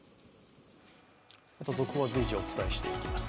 続報は随時お伝えしていきます。